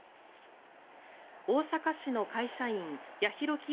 大阪市の会社員、八尋清